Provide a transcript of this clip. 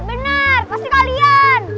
bener pasti kalian